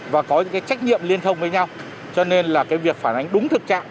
và có trách nhiệm liên thông với nhau cho nên việc phản ánh đúng thực trạng